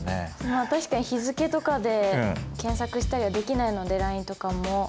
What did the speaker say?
まあ確かに日付とかで検索したりはできないのでＬＩＮＥとかも。